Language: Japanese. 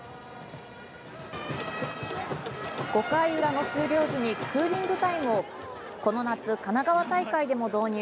５回裏の終了時にクーリングタイムをこの夏、神奈川大会でも導入。